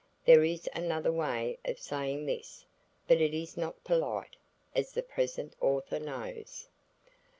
(There is another way of saying this, but it is not polite, as the present author knows.)